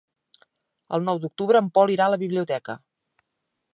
El nou d'octubre en Pol irà a la biblioteca.